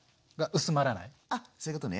あっそういうことね。